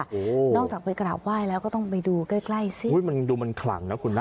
โอ้โหนอกจากไปกราบไหว้แล้วก็ต้องไปดูใกล้ใกล้สิอุ้ยมันดูมันขลังนะคุณนะ